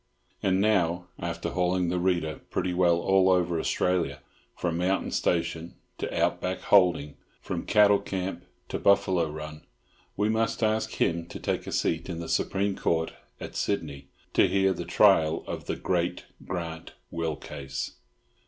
And now, after hauling the reader pretty well all over Australia—from mountain station to out back holding, from cattle camp to buffalo run—we must ask him to take a seat in the Supreme Court at Sydney, to hear the trial of the "great Grant Will Case."